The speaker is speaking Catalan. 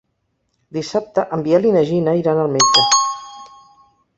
Dissabte en Biel i na Gina iran al metge.